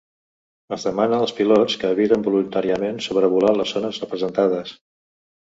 Es demana als pilots que eviten voluntàriament sobrevolar les zones representades.